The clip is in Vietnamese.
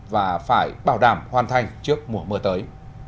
và phải bảo đảm hoàn thành trước mùa mưa tới